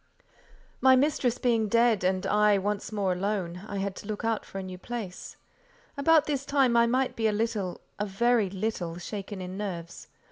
My mistress being dead, and I once more alone, I had to look out for a new place. About this time I might be a little—a very little—shaken in nerves.